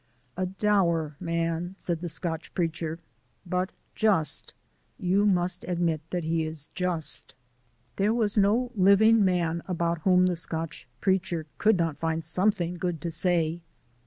"A dour man," said the Scotch Preacher, "but just you must admit that he is just." There was no man living about whom the Scotch Preacher could not find something good to say.